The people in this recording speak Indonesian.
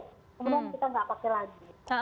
kemudian kita nggak pakai lagi